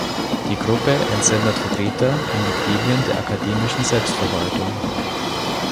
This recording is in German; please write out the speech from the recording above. Die Gruppe entsendet Vertreter in die Gremien der akademischen Selbstverwaltung.